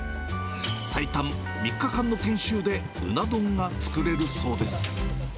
最短３日間の研修で、うな丼が作れるそうです。